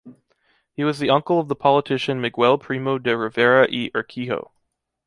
He was the uncle of the politician Miguel Primo de Rivera y Urquijo.